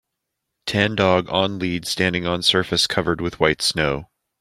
Tan dog on lead standing on surface covered with white snow.